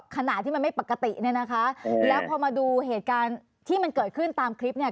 ขณะที่มันไม่ปกติเนี่ยนะคะแล้วพอมาดูเหตุการณ์ที่มันเกิดขึ้นตามคลิปเนี่ย